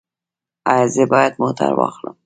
ایا زه باید موټر واخلم؟